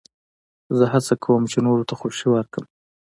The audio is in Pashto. زه هڅه کوم، چي نورو ته خوښي ورکم.